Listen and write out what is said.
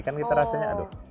kan kita rasanya aduh